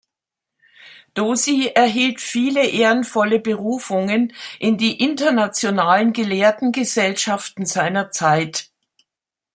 Dozy erhielt viele ehrenvolle Berufungen in die internationalen Gelehrtengesellschaften seiner Zeit.